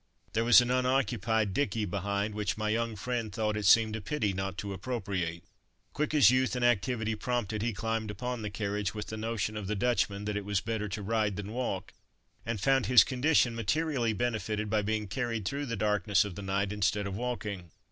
There was an unoccupied dicky behind, which my young friend thought it seemed a pity not to appropriate. Quick as youth and activity prompted, he climbed upon the carriage with the notion of the Dutchman "that it was better to ride than walk," and found his condition materially benefited by being carried through the darkness of the night instead of walking.